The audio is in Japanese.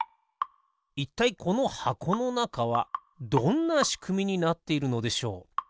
いったいこのはこのなかはどんなしくみになっているのでしょう？